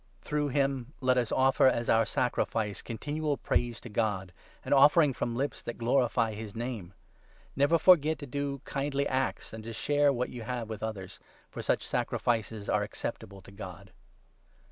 Through him let us offer, as our sacrifice, i< continual praise to God — an offering from lips that glorify his Name. Never forget to do kindly acts and to share what you i( have with others, for such sacrifices are acceptable to God.